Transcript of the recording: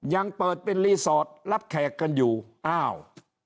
ยังเปิดเป็นรีสอร์ทรับแขกกันอยู่อ้าว